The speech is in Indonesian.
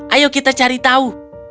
ayo kita cari tahu